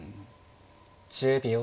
１０秒。